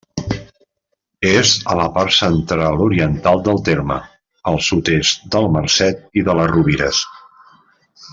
És a la part central-oriental del terme, al sud-est del Marcet i de les Rovires.